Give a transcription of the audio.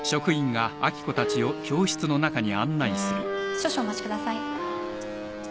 少々お待ちください。